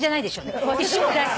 石も大好き。